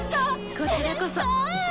こちらこそ。